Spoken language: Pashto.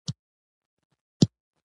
دواړو خواوو توري یو شان نه وو.